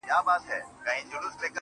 هغه هم نسته جدا سوی يمه.